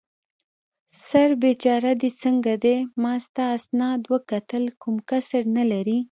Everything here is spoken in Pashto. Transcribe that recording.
سر بېچاره دې څنګه دی؟ ما ستا اسناد وکتل، کوم کسر نه لرې.